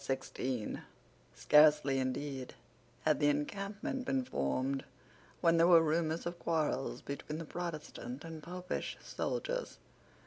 Scarcely indeed had the encampment been formed when there were rumours of quarrels between the Protestant and Popish soldiers.